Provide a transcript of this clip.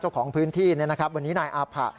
เจ้าของพื้นที่วันนี้นายอาผะ